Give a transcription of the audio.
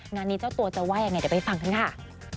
งานนี้เจ้าตัวจะว่ายังไงเดี๋ยวไปฟังกันค่ะ